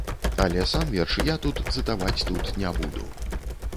Але сам верш я тут цытаваць тут не буду.